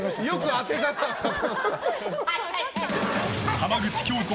浜口京子